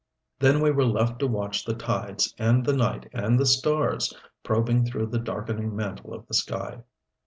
Then we were left to watch the tides and the night and the stars probing through the darkening mantle of the sky.